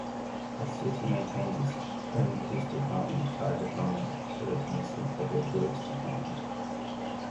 The city maintains its own Police Department, Fire Department, Utilities and Public Works Department.